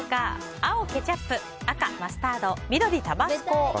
青、ケチャップ赤、マスタード緑、タバスコ。